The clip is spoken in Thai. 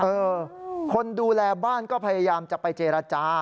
เออคนดูแลบ้านก็พยายามจะไปเจรจา